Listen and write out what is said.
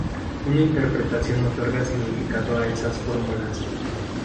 Una interpretación otorga significado a esas fórmulas.